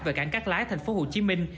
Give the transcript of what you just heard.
và cảng cát lái thành phố hồ chí minh